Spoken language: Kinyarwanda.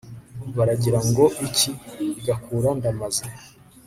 baragira ngo iki igakura ndamaze